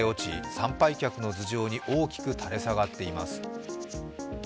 参拝客の頭上に大きく垂れ下がっています。